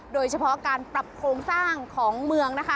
โดยเฉพาะการปรับโครงสร้างของเมืองนะคะ